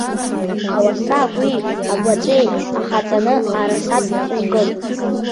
Ауаса агәи агәаҵәеи ахаҵаны арасатә ҵәы икын.